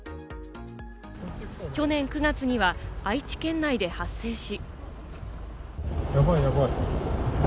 去年９月には愛知県内で発生し。